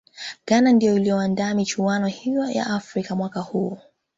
ghana ndiyo waliyoandaa michuano hiyo ya afrika mwaka huo